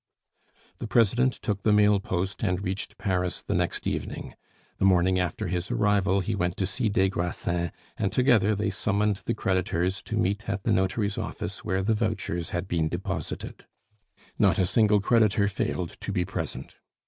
The president took the mail post, and reached Paris the next evening. The morning after his arrival he went to see des Grassins, and together they summoned the creditors to meet at the notary's office where the vouchers had been deposited. Not a single creditor failed to be present.